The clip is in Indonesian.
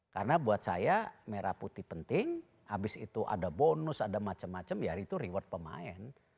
karena buat saya merah putih penting habis itu ada bonus ada macam macam ya itu reward pemain